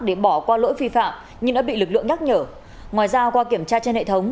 để bỏ qua lỗi vi phạm nhưng đã bị lực lượng nhắc nhở ngoài ra qua kiểm tra trên hệ thống